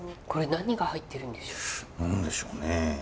何でしょうね。